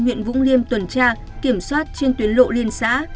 huyện vũng liêm tuần tra kiểm soát trên tuyến lộ liên xã